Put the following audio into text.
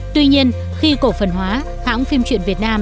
tuy nhiên khi cổ phần hóa hãng phim truyện việt nam